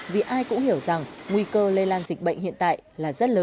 vì ai cũng hiểu rằng nguy cơ lây lan dịch bệnh hiện tại là rất lớn